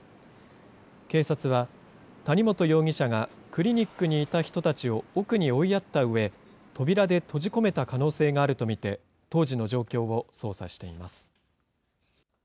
警察は、谷本容疑者がクリニックにいた人たちを奥に追いやったうえ、扉で閉じ込めた可能性があるとして、当時の状況を捜査しています。